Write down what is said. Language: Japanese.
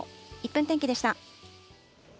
１分天気でした。